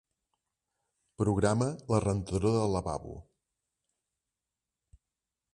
Programa la rentadora del lavabo.